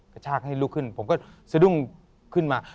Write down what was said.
กระชากให้ลุกขึ้นผมก็สะดุ้งขึ้นมา